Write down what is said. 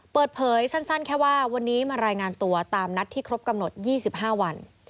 เปิดเผยสั้นแค่ว่าวันนี้มารายงานตัวตามนัดที่ครบกำหนด๒๕วัน